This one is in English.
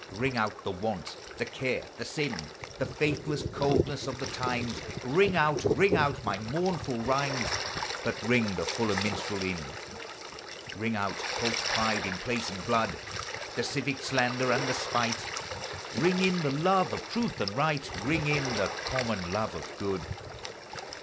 Ring out the want, the care, the sin, The faithless coldness of the times; Ring out, ring out my mournful rhymes, But ring the fuller minstrel in. Ring out false pride in place and blood, The civic slander and the spite; Ring in the love of truth and right, Ring in the common love of good. SABBATH: WORSHIP: CREED.